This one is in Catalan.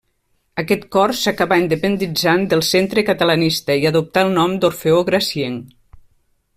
Aquest cor s'acabà independitzant del Centre Catalanista i adoptà el nom d'Orfeó Gracienc.